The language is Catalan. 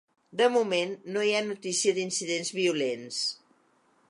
De moment no hi ha notícia d’incidents violents.